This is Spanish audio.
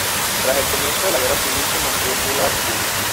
Tras el comienzo de la Guerra civil se mantuvo fiel a la República.